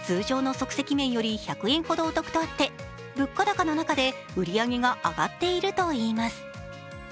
即席麺より１００円ほどお得とあって物価高の中で売り上げが上がっているといいます。